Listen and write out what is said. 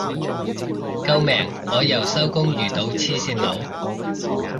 救命我又收工遇到黐線佬